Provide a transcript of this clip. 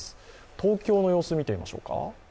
東京の様子見てみましょうか。